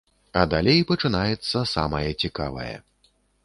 А далей пачынаецца самае цікавае.